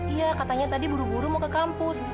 iya katanya tadi buru buru mau ke kampus